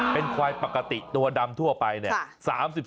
เป็นควายปกติตัวดำทั่วไปเนี่ย